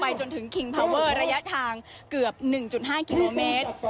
ไปจนถึงคิงพาวเวอร์ระยะทางเกือบหนึ่งจุดห้ากิโลเมตร